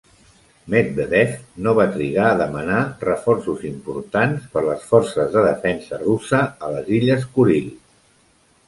Medvedev no va trigar a demanar reforços importants per les forces de defensa russa a les Illes Kuril.